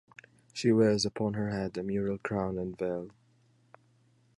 She wears upon her head a mural crown and veil.